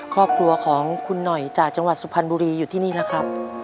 ครอบครัวของคุณหน่อยจากจังหวัดสุพรรณบุรีอยู่ที่นี่แล้วครับ